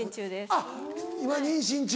あっ今妊娠中。